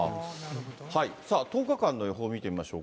さあ、１０日間の予報を見てみま